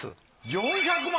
４００万！